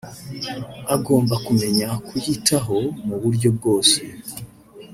agomba kumenya kwiyitaho mu buryo bwose